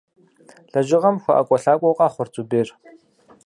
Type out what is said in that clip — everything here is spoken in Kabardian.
Лэжьыгъэм хуэIэкIуэлъакIуэу къэхъурт Зубер.